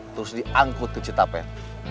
terus diangkut ke cetapet